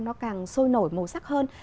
nó càng sôi nổi màu sắc hơn